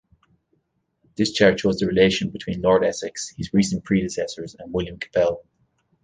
This chart shows the relation between Lord Essex, his recent predecessors, and William Capell.